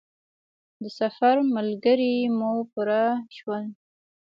د سفر ملګري مو پوره شول.